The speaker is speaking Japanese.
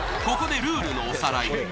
ここでルールのおさらい